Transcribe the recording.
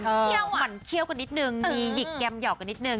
หวั่นเขี้ยวกันนิดนึงมีหยกแกมเหยอกกันนิดนึง